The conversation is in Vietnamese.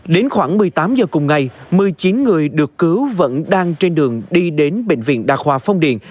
đến khoảng một mươi tám h cùng ngày một mươi chín người được cứu vẫn đang trên đường đi đến bệnh viện đà khoa phong điền